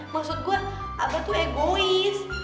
maksud gue abah tuh egois